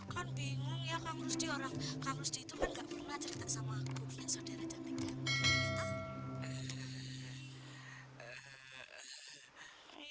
kan bingung ya kak musdi orang kak musdi itu kan ngga pernah cerita sama bu dan saudara cantiknya